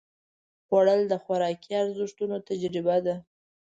خوړل د خوراکي ارزښتونو تجربه ده